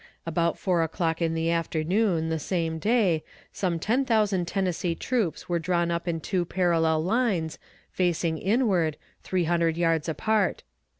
About four o'clock in the afternoon, the same day, some ten thousand Tennessee troops were drawn up in two parallel lines, facing inward, three hundred yards apart.